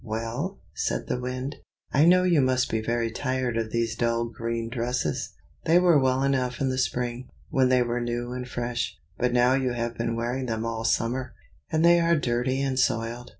"Well," said the Wind, "I know you must be very tired of these dull green dresses. They were well enough in the spring, when they were new and fresh, but now you have been wearing them all summer, and they are dirty and soiled.